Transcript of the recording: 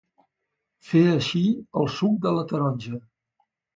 Fer eixir el suc de la taronja.